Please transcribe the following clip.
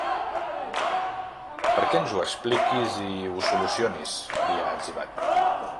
Perquè ens ho expliquis i… ho solucionis, li ha etzibat.